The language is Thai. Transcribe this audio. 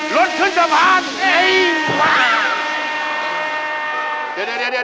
ลดขึ้นเถอะพาง